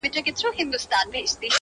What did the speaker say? • زه زما او ستا و دښمنانو ته ـ